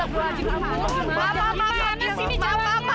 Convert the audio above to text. kenapa ya laran